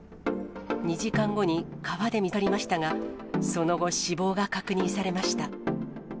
２時間後に川で見つかりましたが、その後、死亡が確認されました。